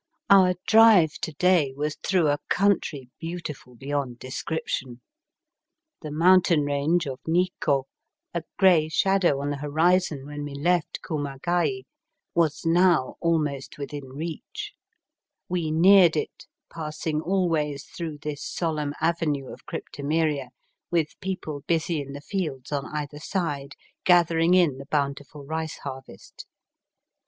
Our drive to day was through a country beautiful beyond description. The mountain range of Nikko, a grey shadow on the horizon when we left Kumagai, was now almost within Digitized by VjOOQIC ACEOSS COTJNTBY IN JINBIKISHAS. 251 reach. We neared it, passing always through this solemn avenue of cryptomeria, with people busy in the fields on either side, gathering in the bountiful rioe harvest.